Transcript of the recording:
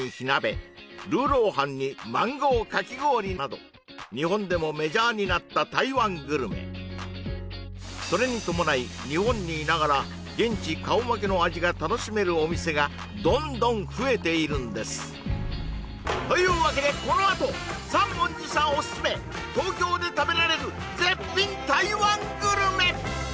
もうねなど日本でもメジャーになった台湾グルメそれに伴い日本にいながら現地顔負けの味が楽しめるお店がどんどん増えているんですというわけでこのあと三文字さんオススメそうですよね